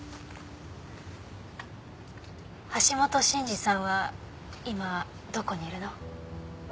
橋本慎二さんは今どこにいるの？